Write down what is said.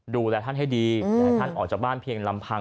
ดูแลท่านให้ดีอยากให้ท่านออกจากบ้านเพียงลำพัง